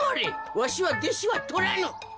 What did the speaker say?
わしはでしはとらぬ。